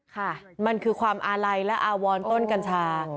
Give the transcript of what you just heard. ค่ะมันคือความอาลัยและอาวรต้นกัญชา